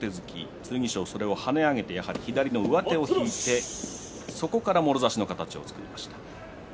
剣翔が跳ね上げて左上手を引いてそこからもろ差しの形を作りました。